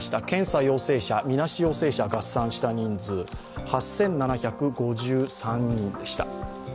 検査陽性者、みなし陽性者、合算した人数、８７５３人でした。